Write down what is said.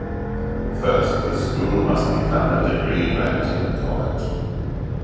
First, the school must become a degree-granting college.